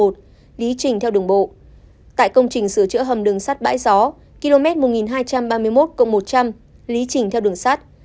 tại công trình sửa chữa hầm đường sắt bãi gió km một nghìn hai trăm ba mươi một một trăm linh lý trình theo đường sắt